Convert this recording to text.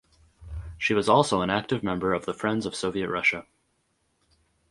She was also an active member of the Friends of Soviet Russia.